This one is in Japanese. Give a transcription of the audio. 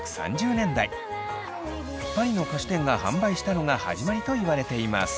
パリの菓子店が販売したのが始まりといわれています。